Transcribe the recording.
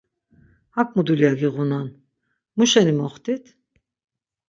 Hak mu dulya giğunan, muşeni moxtit?